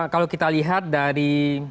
kalau kita lihat dari